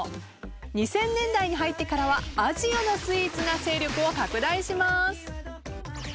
２０００年代に入ってからはアジアのスイーツが勢力を拡大します。